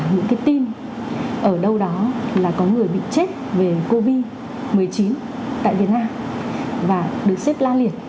những cái tin ở đâu đó là có người bị chết về covid một mươi chín tại việt nam và được xếp la liệt